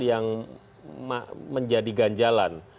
yang menjadi ganjalan